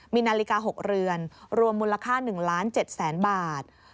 มีนาฬิกา๖เรือนรวมมูลค่า๑๗๐๐๐๐๐บาท